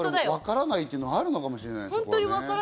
わからないっていうのがあるかもしれないね。